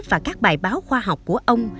và các bài báo khoa học của ông